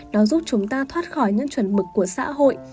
nó giúp chúng ta thoát khỏi những chuẩn mực của xã hội